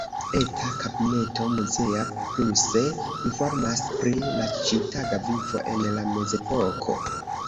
Eta kabineto muzea pluse informas pri la ĉiutaga vivo en la mezepoko.